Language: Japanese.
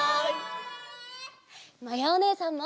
まやおねえさんも！